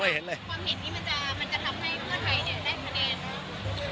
ความเห็นที่มันจะทำให้มันได้คำแนะ